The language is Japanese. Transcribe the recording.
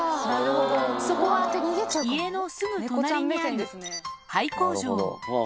そこは家のすぐ隣にある廃工場。